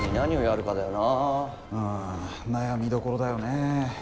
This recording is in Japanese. うん悩みどころだよね。